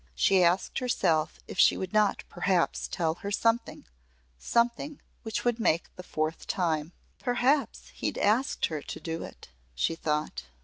She asked herself if she would not perhaps tell her something something which would make the fourth time. "Perhaps he's asked her to do it," she thought.